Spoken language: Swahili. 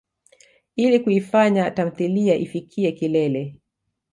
Ili kuifanya tamthilia ifikiye kilele.